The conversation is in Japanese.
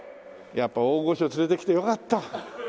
やっぱ大御所連れてきてよかった。